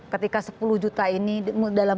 ketika sepuluh juta ini dalam bertanggung jawab